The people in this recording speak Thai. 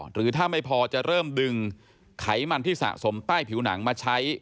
หรือถ้าไม่พอจะเริ่มดึงไขมันที่สะสมใต้ผิวหนังมาใช้